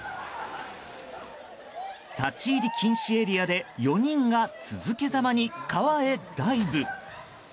立ち入り禁止エリアで４人が続けざまに川へダイブ。